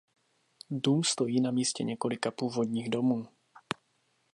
Dům stojí na místě několika původních domů.